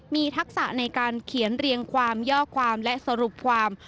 มีทักษะในการเขียนเรียงความย่อความและสรุปความ